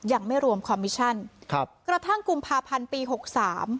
ยังไม่รวมคอมมิชชั่นครับกระทั่งกุมภาพันธ์ปีหกสาม